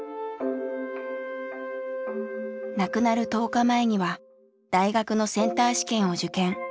亡くなる１０日前には大学のセンター試験を受験。